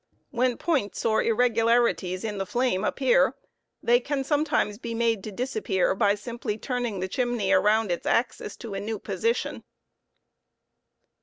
When Bbfs or irregularities in the llame appear, they can sometimes be made to disappear r simply turning the chimney around its axis to a new position.